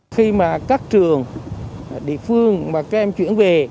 khi mà các trường địa phương mà các em chuyển về